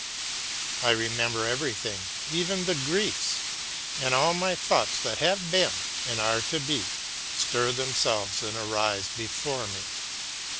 I remember everything, even the griefs, and all my thoughts that have been and are to be bestir themselves and arise before me.